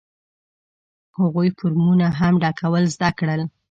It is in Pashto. هغوی فورمونه هم ډکول زده کړل.